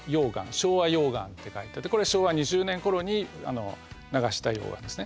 昭和溶岩って書いてあってこれ昭和２０年ごろに流した溶岩ですね。